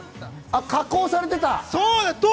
あっ、加工されてた！